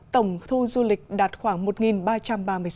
tổng thu du lịch đạt khoảng một ba trăm linh